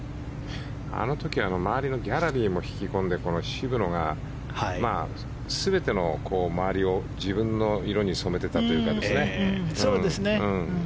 あの時は周りのギャラリーも引き込んで渋野が全ての周りを自分の色に染めていたというかですね。